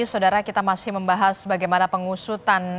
saudara kita masih membahas bagaimana pengusutan